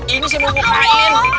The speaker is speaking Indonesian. ini si bubuk lain